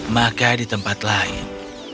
maka di tempat lain